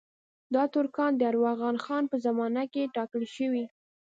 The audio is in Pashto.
دا ترکان د ارغون خان په زمانه کې ټاکل شوي.